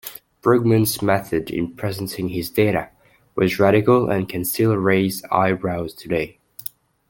Brugmann's method in presenting his data was radical and can still raise eyebrows today.